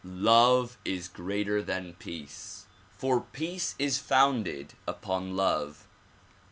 love is greater than peace, for peace is founded upon love.